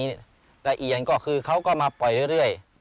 อีกอย่างนี้ก็คือเขาก็มาปล่อยเรื่อย